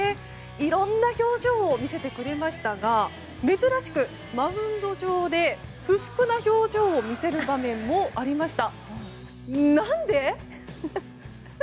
いろんな表情を見せてくれましたが珍しくマウンド上で不服な表情を見せる場面もありました。